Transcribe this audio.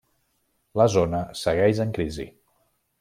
La zona segueix en crisi.